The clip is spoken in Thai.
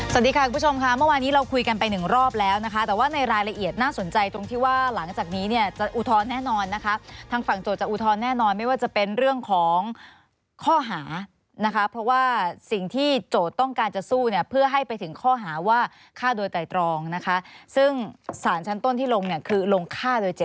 สวัสดีค่ะคุณผู้ชมค่ะเมื่อวานนี้เราคุยกันไปหนึ่งรอบแล้วนะคะแต่ว่าในรายละเอียดน่าสนใจตรงที่ว่าหลังจากนี้เนี่ยจะอุทธรณ์แน่นอนนะคะทางฝั่งโจทย์จะอุทธรณ์แน่นอนไม่ว่าจะเป็นเรื่องของข้อหานะคะเพราะว่าสิ่งที่โจทย์ต้องการจะสู้เนี่ยเพื่อให้ไปถึงข้อหาว่าฆ่าโดยไตรตรองนะคะซึ่งสารชั้นต้นที่ลงเนี่ยคือลงฆ่าโดยเจ